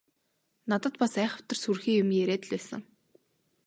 Надад бас айхавтар сүрхий юм яриад л байсан.